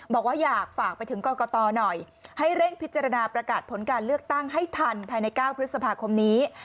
บอกว่าอยากฝากไปถึงกรกตหน่อยให้เร่งพิจารณาประกาศผลการเลือกตั้งให้ทันภายใน๙พฤษภาคมนี้